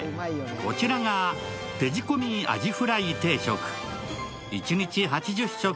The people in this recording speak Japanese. こちらが手仕込みアジフライ定食。